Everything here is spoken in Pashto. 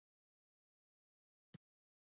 غیرت د افغانانو په وینو کې دی.